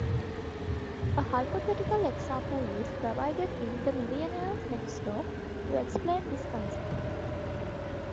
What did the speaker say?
A hypothetical example is provided in "The Millionaire Next Door" to explain this concept.